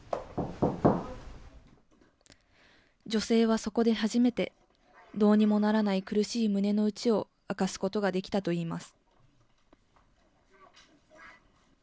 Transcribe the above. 女性はそこで初めて、どうにもならない苦しい胸の内を明かすことができたといいます。